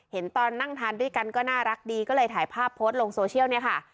เห็นตอนนั่งทานด้วยกันก็น่ารักดีก็เลยถ่ายภาพโพสต์ลงโซเชียลเนี่ยค่ะ